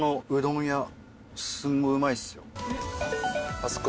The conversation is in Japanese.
あそこ